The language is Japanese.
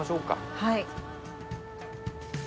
はい。